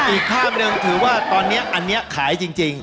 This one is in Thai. อีกภาพหนึ่งถือว่าตอนนี้อันนี้ขายจริง